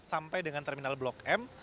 sampai dengan terminal blok m